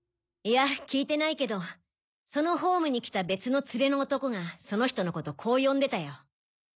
いや聞いてないけどそのホームに来た別の連れの男がその人のことこう呼んでたよ